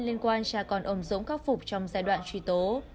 liên quan cha con ông dũng khắc phục trong giai đoạn truy tố